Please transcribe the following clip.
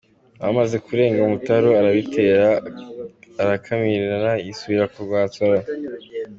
Bamaze kurenga umutaru arabibeta arakimirana yisubirira kwa Nsoro.